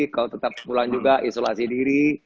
kalau tetap pulang juga isolasi diri